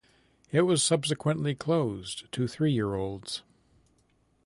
It was subsequently closed to three-year-olds.